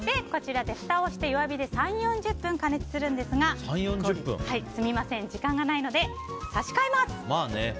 こちらでふたをして弱火で３０４０分加熱するんですがすみません時間がないのでまあね。